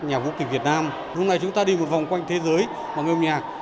nhà vũ kịch việt nam lúc này chúng ta đi một vòng quanh thế giới bằng âm nhạc